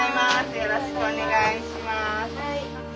よろしくお願いします。